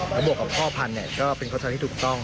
แล้วหมวกของพ่อพันธุ์ก็เป็นความชะละที่ถูกต้อง